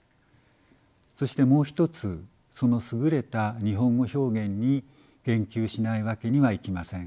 そしてもう一つその優れた日本語表現に言及しないわけにはいきません。